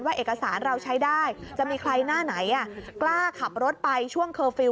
เอกสารเราใช้ได้จะมีใครหน้าไหนกล้าขับรถไปช่วงเคอร์ฟิลล